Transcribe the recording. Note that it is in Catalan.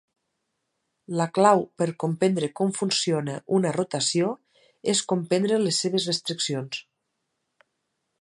La clau per comprendre com funciona una rotació és comprendre les seves restriccions.